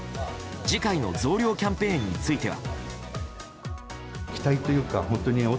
次回の増量キャンペーンについては。